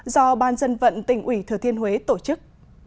do ban dân vận tỉnh ủy thừa thiên huế tổ chức